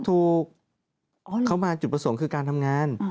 ถูกเขามาจุดประสงค์คือการทำงาน